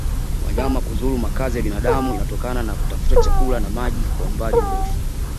wanyama kudhuru makazi ya binadamu inatokana na kutafuta chakula na maji kwa umbali mrefu